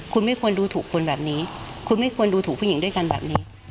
คุณไม่ควรดูถูกคนแบบนี้คุณไม่ควรดูถูกผู้หญิงด้วยกันแบบนี้